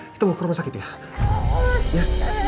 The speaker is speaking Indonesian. kita mau ke rumah sakit ya